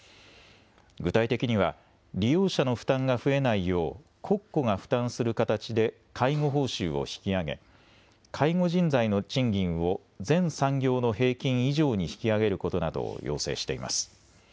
具体的には利用者の負担が増えないよう国庫が負担する形で介護報酬を引き上げ介護人材の賃金を全産業の平均以上に引き上げることなどを要請しています。